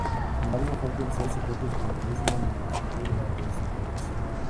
Sin embargo, fue alcanzando su propio protagonismo en el sector de la restauración.